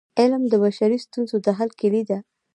علم د بشري ستونزو د حل کيلي ده.